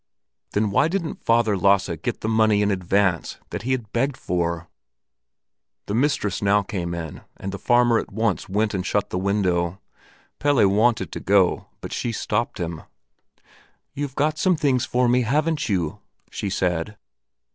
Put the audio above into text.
Then why didn't Father Lasse get the money in advance that he had begged for? The mistress now came in, and the farmer at once went and shut the window. Pelle wanted to go, but she stopped him. "You've got some things for me, haven't you?" she said.